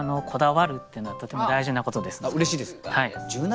でもうれしいです。